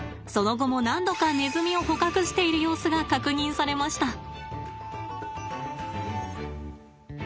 その後も何度かネズミを捕獲している様子が確認されました。